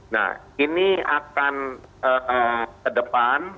nah ini akan ke depan